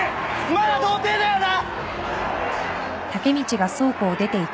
まだ童貞だよな！